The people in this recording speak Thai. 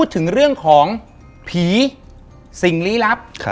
ถึงเรื่องของผีสิ่งลี้ลับ